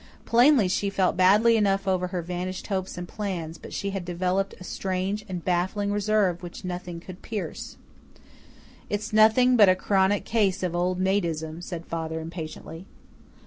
Plainly she felt badly enough over her vanished hopes and plans, but she had developed a strange and baffling reserve which nothing could pierce. "It's nothing but a chronic case of old maidism," said father impatiently.